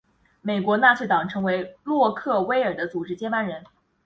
美国纳粹党成为洛克威尔的组织接班人。